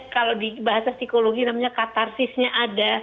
kalau di bahasa psikologi namanya katarsisnya ada